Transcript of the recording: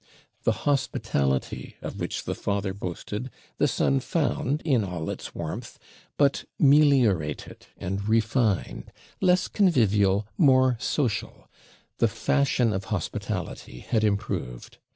The hospitality of which the father boasted, the son found in all its warmth, but meliorated and refined; less convivial, more social; the fashion of hospitality had improved.